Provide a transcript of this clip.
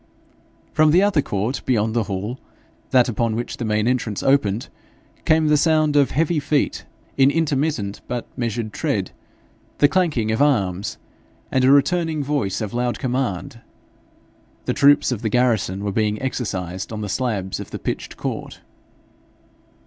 From the other court beyond the hall, that upon which the main entrance opened, came the sounds of heavy feet in intermittent but measured tread, the clanking of arms, and a returning voice of loud command: the troops of the garrison were being exercised on the slabs of the pitched court.